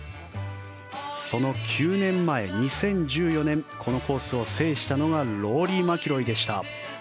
その９年前、２０１４年このコースを制したのがローリー・マキロイでした。